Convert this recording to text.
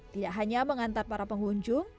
tidak hanya mengantar para pengunjung